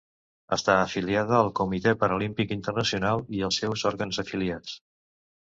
Està afiliada al Comitè Paralímpic Internacional i els seus òrgans afiliats.